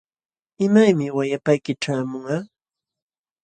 ¿Imaymi wayapayki ćhaamunqa?